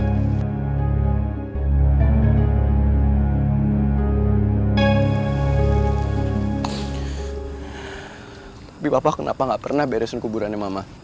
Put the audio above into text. tapi bapak kenapa gak pernah beresin kuburannya mama